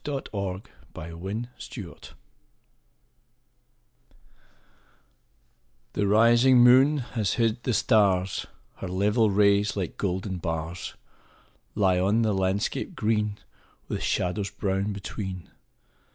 20 48 ENDMYION ENDYMION The rising moon has hid the stars ; Her level rays, like golden bars, Lie on the landscape green, With shadows brown between.